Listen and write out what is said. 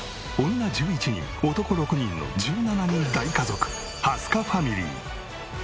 女１１人男６人の１７人大家族蓮香ファミリー。